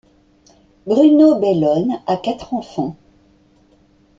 Bruno Bellone a quatre enfants.